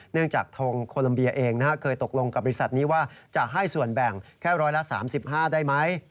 จากทงโคลัมเบียเองเคยตกลงกับบริษัทนี้ว่าจะให้ส่วนแบ่งแค่๑๓๕ได้ไหม